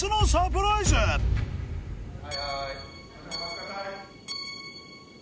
・はいはいすいませんお待ちください